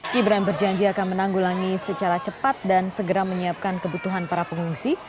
gibran berjanji akan menanggulangi secara cepat dan segera menyiapkan kebutuhan para pengungsi